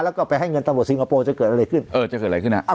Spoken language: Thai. แล้วก็ไปให้เงินตำรวจสิงคโปร์จะเกิดอะไรขึ้นเออจะเกิดอะไรขึ้นฮะ